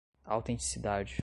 autenticidade